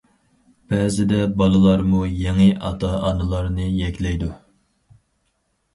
بەزىدە بالىلارمۇ يېڭى ئاتا ئانىلارنى يەكلەيدۇ.